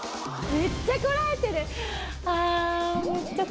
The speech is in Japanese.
めっちゃこらえてる。